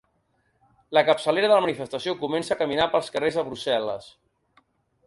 La capçalera de la manifestació comença a caminar pels carres de Brussel·les.